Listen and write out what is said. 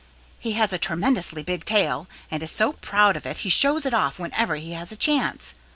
He has a tremendously big tail and is so proud of it he shows it off whenever he has a chance.